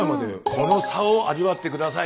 この差を味わって下さい。